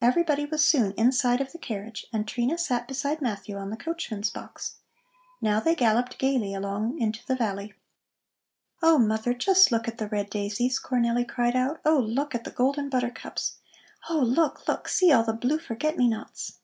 Everybody was soon inside of the carriage, and Trina sat beside Matthew on the coachman's box. Now they galloped gaily along into the valley. "Oh, mother, just look at the red daisies!" Cornelli cried out. "Oh, look at the golden buttercups! Oh, look, look; see all the blue forget me nots!"